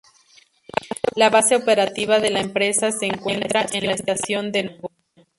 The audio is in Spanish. La base operativa de la empresa se encuentra en la estación de Nagoya.